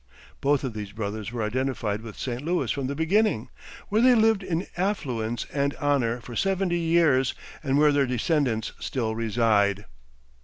Both of these brothers were identified with St. Louis from the beginning, where they lived in affluence and honor for seventy years, and where their descendants still reside.